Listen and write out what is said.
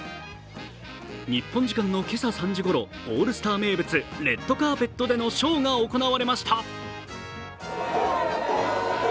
日本時間の今朝３時ごろ、オールスター名物レッドカーペットでのショーが行われました。